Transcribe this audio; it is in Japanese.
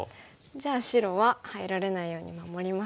じゃあ白は入られないように守りますか。